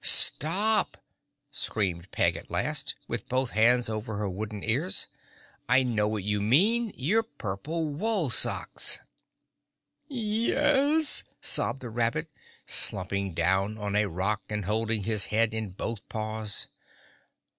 "Stop!" screamed Peg at last, with both hands over her wooden ears. "I know what you mean! Your purple wool socks!" [Illustration: (unlabelled)] "Yes," sobbed the rabbit, slumping down on a rock and holding his head in both paws.